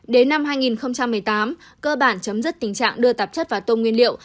đến năm hai nghìn một mươi tám cơ bản chấm dứt tình trạng đưa tạp chất vào tôm nguyên liệu